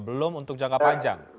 belum untuk jangka panjang